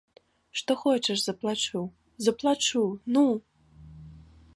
Што хочаш заплачу, заплачу, ну!